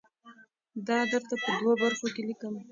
دا درته په دوو برخو کې لیکم.